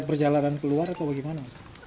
dia berjalanan keluar atau bagaimana